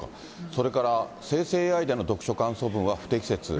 それから、生成ＡＩでの読書感想文は不適切。